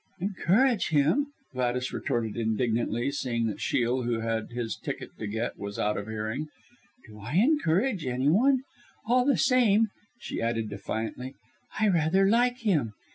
"Encourage him!" Gladys retorted indignantly, seeing that Shiel, who had his ticket to get, was out of hearing. "Do I encourage any one? All the same," she added defiantly, "I rather like him.